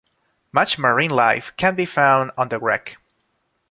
Much marine life can be found on the wreck.